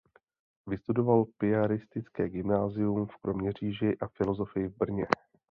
Vystudoval piaristické gymnázium v Kroměříži a filosofii v Brně.